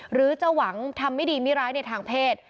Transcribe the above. หรือจะหวังทำไม่ดีไม่ร้ายในทางเพศ